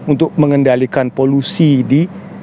untuk mengendalikan polusi di